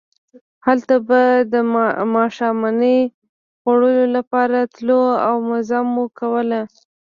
هلته به د ماښامنۍ خوړلو لپاره تلو او مزه مو کوله.